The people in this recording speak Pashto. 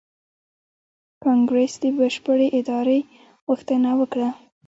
کانګریس د بشپړې ازادۍ غوښتنه وکړه.